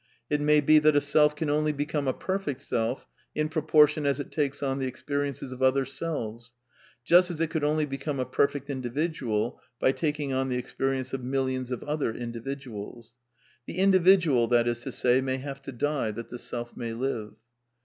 It may be that a self can only be come a perfect self in proportion as it takes on the expe riences of other selves ; just as it could only become a per fect individual by taking on the experience of millions of other individuals. The individual, that is to say, may have to die that the self may live.